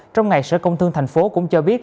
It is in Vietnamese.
trong ngày sở công thương thành phố cũng cho biết